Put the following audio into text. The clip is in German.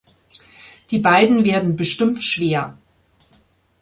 Die beiden werden bestimmt schwer.